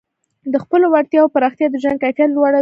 د خپلو وړتیاوو پراختیا د ژوند کیفیت لوړوي.